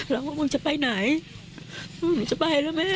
รักว่ามันจะไปไหนมันจะไปแล้วแม่